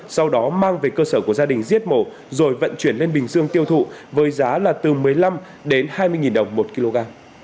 sau đó mang về cơ sở của gia đình giết mổ rồi vận chuyển lên bình dương tiêu thụ với giá là từ một mươi năm đến hai mươi đồng một kg